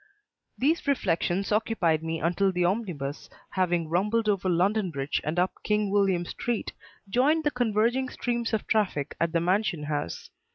These reflections occupied me until the omnibus, having rumbled over London Bridge and up King William Street, joined the converging streams of traffic at the Mansion House.